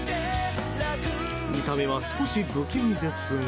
見た目は少し不気味ですが。